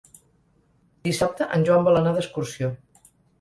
Dissabte en Joan vol anar d'excursió.